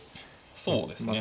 そうですね。